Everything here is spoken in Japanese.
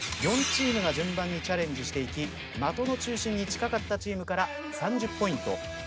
４チームが順番にチャレンジしていき的の中心に近かったチームから３０ポイント２０